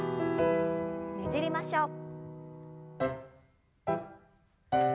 ねじりましょう。